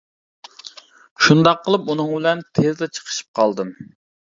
شۇنداق قىلىپ ئۇنىڭ بىلەن تىزلا چىقىشىپ قالدىم.